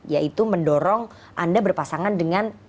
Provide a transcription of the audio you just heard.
yaitu mendorong anda berpasangan dengan pak erlangga